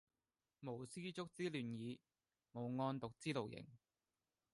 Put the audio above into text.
無絲竹之亂耳，無案牘之勞形